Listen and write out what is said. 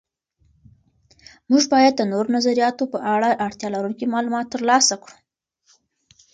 موږ باید د نورو نظریاتو په اړه اړتیا لرونکي معلومات تر لاسه کړو.